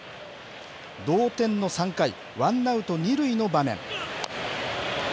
同点の３回、ワンアウト２塁の場面。